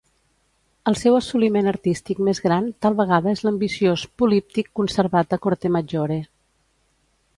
El seu assoliment artístic més gran tal vegada és l'ambiciós políptic conservat a Cortemaggiore.